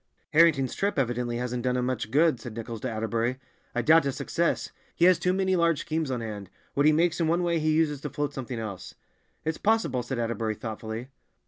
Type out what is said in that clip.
"Harrington's trip evidently hasn't done him much good," said Nichols to Atterbury. "I doubt his success. He has too many large schemes on hand; what he makes in one way he uses to float something else." "It's possible," said Atterbury thoughtfully.